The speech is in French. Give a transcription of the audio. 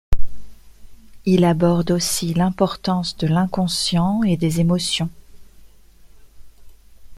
Il aborde aussi l'importance de l’inconscient et des émotions.